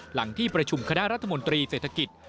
หลังที่ประชุมคณะรัฐมนตรีเศรษฐกิจ